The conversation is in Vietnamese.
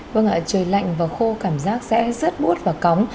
vâng ạ trời lạnh và khô cảm giác sẽ rét bút và cóng